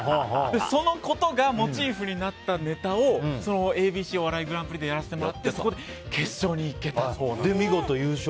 そのことがモチーフになったネタをＡＢＣお笑いグランプリでやらせてもらって、決勝に行けた。